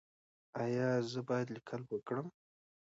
ایا زه باید لیکل وکړم؟